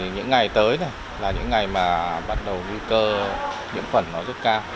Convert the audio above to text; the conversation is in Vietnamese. những ngày tới là những ngày mà bắt đầu nguy cơ nhiễm khuẩn nó rất cao